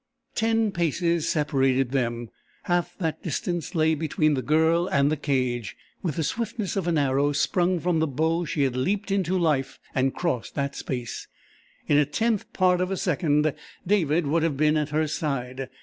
Ten paces separated them; half that distance lay between the Girl and the cage. With the swiftness of an arrow sprung from the bow she had leaped into life and crossed that space. In a tenth part of a second David would have been at her side.